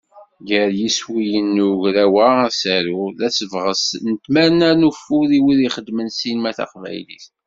Gar yiswiyen n ugraw-a Asaru, d asebɣes d tmerna n ufud i wid ixeddmen ssinima taqbaylit.